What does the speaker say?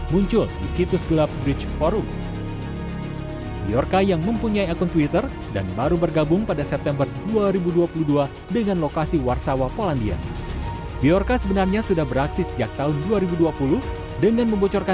menurut pengetesan vaksin com